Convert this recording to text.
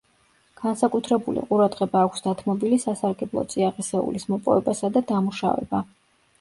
განსაკუთრებული ყურადღება აქვს დათმობილი სასარგებლო წიაღისეულის მოპოვებასა და დამუშავება.